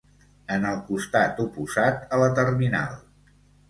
En el costat oposat a la terminal.